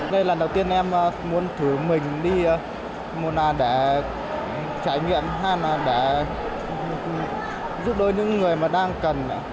đây là lần đầu tiên em muốn thử mình đi để trải nghiệm hay là để giúp đôi những người mà đang cần